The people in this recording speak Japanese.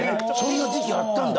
そんな時期あったんだ！？